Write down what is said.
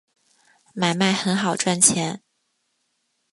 买卖很好赚钱